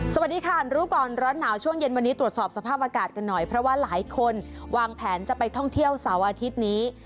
สวัสดีค่ะรู้ก่อนร้อนหนาวช่วงเย็นวันนี้ตรวจสอบสภาพอากาศกันหน่อยเพราะว่าหลายคนวางแผนจะไปท่องเที่ยวเสาร์อาทิตย์นี้